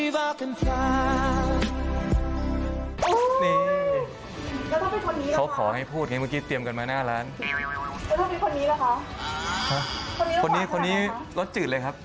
แล้วเขาขอให้พูดเมื่อกี้เตรียมกันมาหน้าร้านแล้วคนนี้คนนี้คนนี้รสจืดเลยครับ